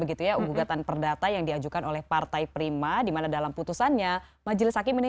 begitu ya gugatan perdata yang diajukan oleh partai prima dimana dalam putusannya majelis hakim ini